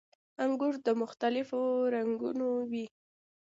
• انګور د مختلفو رنګونو وي.